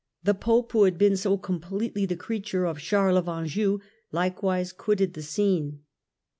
the Pope who had been so completely the creature of Charles of Anjou, likewise quitted the scene.